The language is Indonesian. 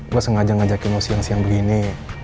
gue sengaja ngajakin mau siang siang begini